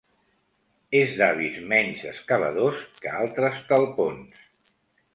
És d'hàbits menys excavadors que altres talpons.